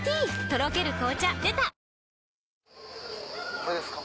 これですか？